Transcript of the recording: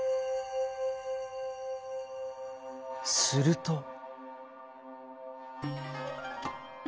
すると。